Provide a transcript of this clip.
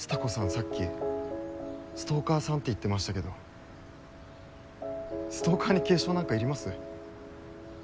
さっき「ストーカーさん」って言ってましたけどストーカーに敬称なんかいります？